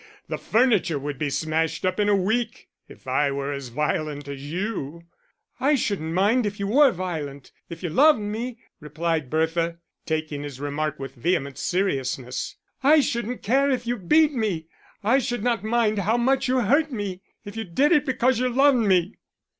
Why, the furniture would be smashed up in a week, if I were as violent as you." "I shouldn't mind if you were violent if you loved me," replied Bertha, taking his remark with vehement seriousness. "I shouldn't care if you beat me; I should not mind how much you hurt me, if you did it because you loved me."